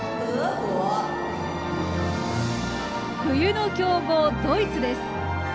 冬の強豪、ドイツです。